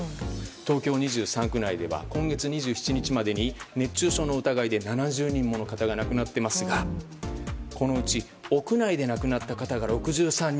東京２３区内では今月２７日までに熱中症の疑いで７０人もの方が亡くなっていますがこのうち屋内で亡くなった方が６３人。